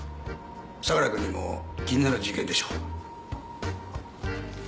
相良くんにも気になる事件でしょう？